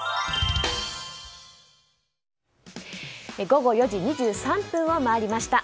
午後４時２３分を回りました。